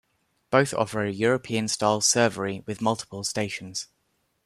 Both offer a European-style servery with multiple stations.